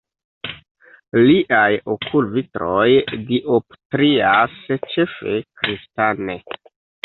Liaj okulvitroj dioptrias ĉefe kristane.